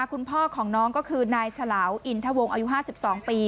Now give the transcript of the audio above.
คุณพ่อของน้องก็คือนายฉลาวอินทวงอายุ๕๒ปี